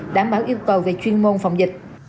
đảm bảo yêu cầu về chuyên môn phòng dịch